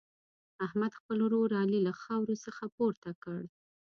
احمد، خپل ورور علي له خاورو څخه پورته کړ.